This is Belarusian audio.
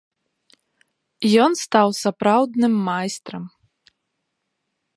Ён стаў сапраўдным майстрам.